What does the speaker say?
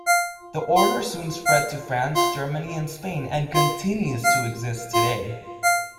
The Order soon spread to France, Germany and Spain, and continues to exist today.